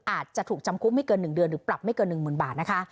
อาจจะถูกจำคุกไม่เกินหนึ่งเดือนหรือปรับไม่เกินหนึ่งหมื่นบาทนะคะ